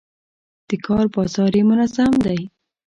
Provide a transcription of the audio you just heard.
د کار بازار یې منظم دی.